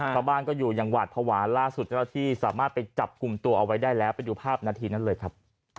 ชาวบ้านก็อยู่อย่างหวาดภาวะล่าสุดเจ้าหน้าที่สามารถไปจับกลุ่มตัวเอาไว้ได้แล้วไปดูภาพนาทีนั้นเลยครับ